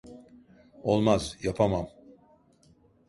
Olmaz, yapamam.